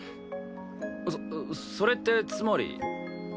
そそれってつまり。